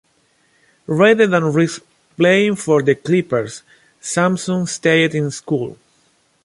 Rather than risk playing for the Clippers, Sampson stayed in school.